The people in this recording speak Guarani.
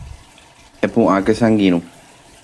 Epu'ãke che angirũ